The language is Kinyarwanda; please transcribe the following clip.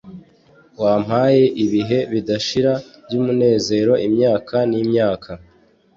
wampaye ibihe bidashira by'umunezero imyaka n'imyaka